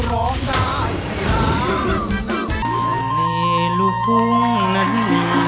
ร้องได้ครับ